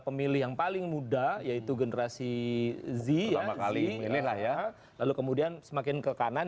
pemilih yang paling muda yaitu generasi zi ya kali ini lah ya lalu kemudian semakin kekanan